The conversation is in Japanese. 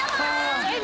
えっ？